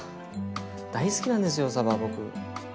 大好きなんですよさば僕。